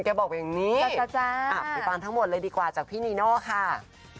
แกบอกว่าอย่างงี้จ้าจ้าจ้าอ่ะพี่ปานทั้งหมดเลยดีกว่าจากพี่นีโน่ค่ะ